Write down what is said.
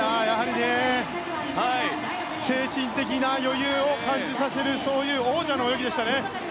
精神的な余裕を感じさせるそういう王者の泳ぎでしたね。